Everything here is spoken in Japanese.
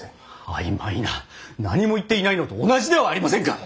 何も言っていないのと同じではありませんか！